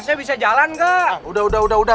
lo buat apa ini nih